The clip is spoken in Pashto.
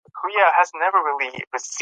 تاسو باید خپل کالي په یو مناسب ځای کې کېږدئ.